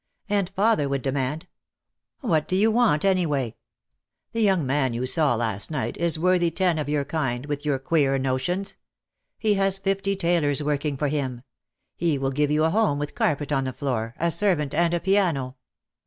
And father would demand, "What do you want any way ? The young man you saw last night is worthy ten of your kind, with your queer notions. He has fifty tailors working for him. He will give you a home with carpet on the floor, a servant and a piano."